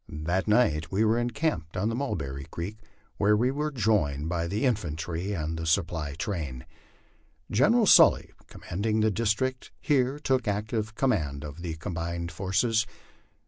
That night we encamped on Mulberry creek, where we were joined by the infantry and the supply train. General Sully, commanding the district, here took active command of the combined forces.